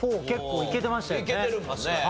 結構いけてましたよね。